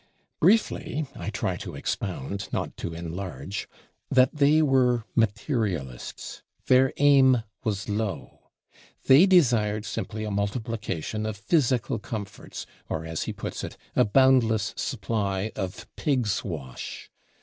Briefly (I try to expound, not to enlarge), that they were materialists. Their aim was low. They desired simply a multiplication of physical comforts, or as he puts it, a boundless supply of "pigs wash."